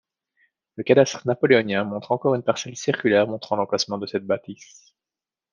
Le cadastre napoléonien montre encore une parcelle circulaire montrant l'emplacement de cette bâtisse.